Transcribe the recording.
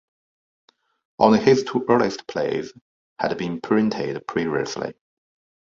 Only his two earliest plays had been printed previously.